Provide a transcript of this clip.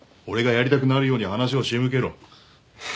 俺がやりたくなるように話を仕向けろ。